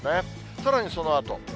さらにそのあと。